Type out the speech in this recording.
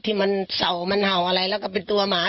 ที่มันเศร้ามันเห่าอะไรแล้วก็เป็นตัวหมา